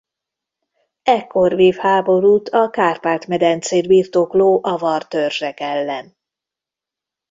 Ekkor vív háborút a Kárpát-medencét birtokló avar törzsek ellen.